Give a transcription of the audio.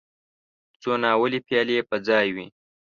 څو ناولې پيالې په ځای وې.